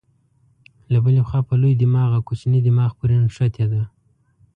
له بلې خوا په لوی دماغ او کوچني دماغ پورې نښتې ده.